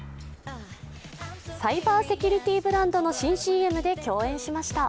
サイバーセキュリティーブランドの新ＣＭで共演しました。